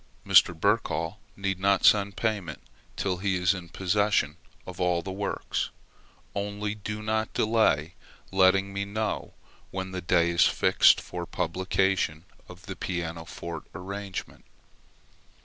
Mr. Birchall need not send payment till he is in possession of all the works; only do not delay letting me know when the day is fixed for the publication of the pianoforte arrangement.